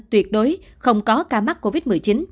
tuyệt đối không có ca mắc covid một mươi chín